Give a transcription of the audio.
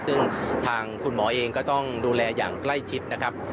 ซึ่งทางคุณหมอเองก็ต้องดูแลอย่างใกล้ชิดนะครับ